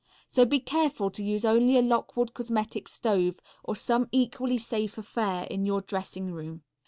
So be careful to use only a Lockwood Cosmetic Stove or some equally safe affair in your dressing room.